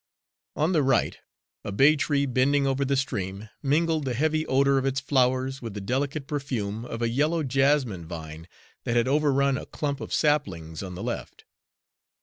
On the right a bay tree bending over the stream mingled the heavy odor of its flowers with the delicate perfume of a yellow jessamine vine that had overrun a clump of saplings on the left.